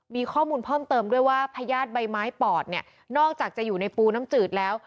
มีข้อมูลเพิ่มเติมด้วยว่าพญาติใบไม้ปอดเนี่ยนอกจากจะอยู่ในปูน้ำจืดแล้ว